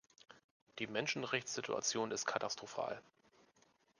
Die Menschenrechtssituation ist katastrophal.